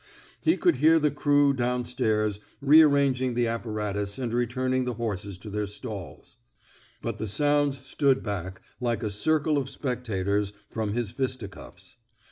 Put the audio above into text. He could hear the crew, down stairs, re arranging the apparatus and returning the^ horses to their stalls; but the sounds stood ^^ back, like a circle of spectators, from his fisticuffs.